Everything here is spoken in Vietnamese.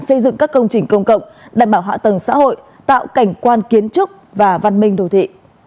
xây dựng các công trình công cộng đảm bảo hạ tầng xã hội tạo cảnh quan kiến trúc và văn minh đồ thị